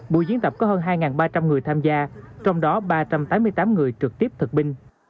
buổi diễn tập có hơn hai ba trăm linh người tham gia trong đó ba trăm tám mươi tám người trực tiếp thực binh